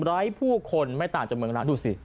ร้ายผู้คนไม่ต่างจากเมืองร้านดูสิ